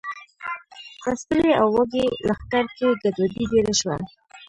په ستړي او وږي لښکر کې ګډوډي ډېره شوه.